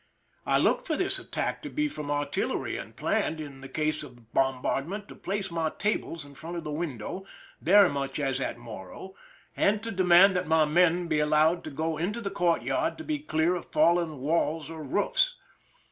I looked for this attack to be from artillery, and planned, in the case of bombardment, to place my tables in front of the window, very much as at Morro, and to demand that my men be allowed to go into the courtyard to be clear of falling walls or roofs.